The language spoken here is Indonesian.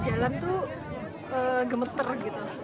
jalan tuh gemeter gitu